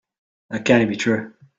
That can't be true.